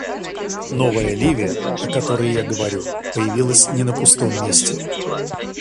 Новая Ливия, о которой я говорю, появилась не на пустом месте.